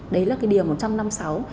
đấy là cái điều một trăm năm mươi sáu